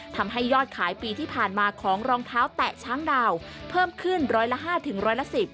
ทำให้ยอดขายปีที่ผ่านมาของรองเท้าแตะช้างดาวเพิ่มขึ้นร้อยละห้าถึงร้อยละ๑๐